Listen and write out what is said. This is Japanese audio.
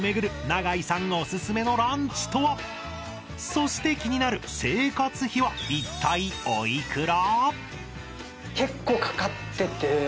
そして気になる生活費は一体お幾ら？